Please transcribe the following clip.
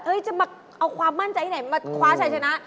จะมาเอาความมั่นใจที่ไหนมาคว้าชัยชนะ